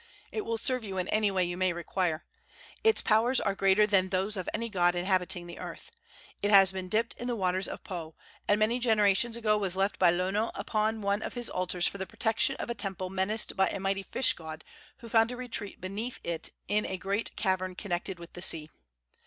It will serve you in any way you may require. Its powers are greater than those of any god inhabiting the earth. It has been dipped in the waters of Po, and many generations ago was left by Lono upon one of his altars for the protection of a temple menaced by a mighty fish god who found a retreat beneath it in a great cavern connected with the sea.